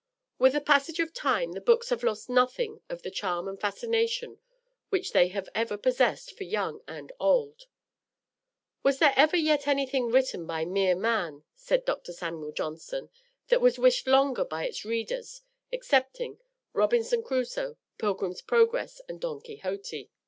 With the passage of time the books have lost nothing of the charm and fascination which they have ever possessed for young and old. "Was there ever yet anything written by mere man," said Dr. Samuel Johnson, "that was wished longer by its readers, excepting Robinson Crusoe, Pilgrim's Progress, and Don Quixote?"